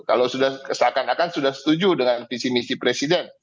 kalau sudah seakan akan sudah setuju dengan visi misi presiden